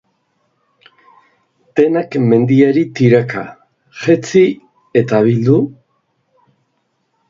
Denak mendiari tiraka, jetzi eta bildu?